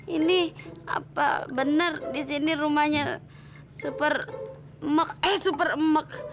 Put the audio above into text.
ini apa bener disini rumahnya super emek eh super emek